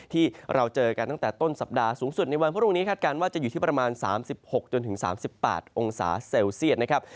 ที่เราเจอกันตั้งแต่ต้นสัปดาห์สูงสุดในวันพรุ่งนี้คาดการณ์ว่าจะอยู่ที่ประมาณ๓๖๓๘องศาเซลเซียตนะครับ